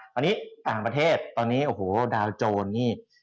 ตอนนี้ต่างประเทศตอนนี้โอ้โหดาวโจรนี่